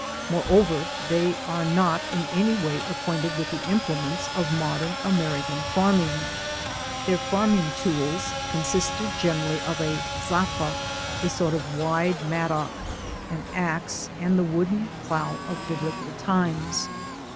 Moreover, they are not in any way ac quainted with the implements of modern American farming. Their farming tools consisted generally of a "zappa," a sort of wide mattock; an ax and the wooden plow of biblical times.